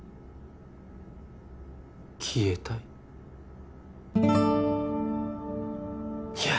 消えたいいや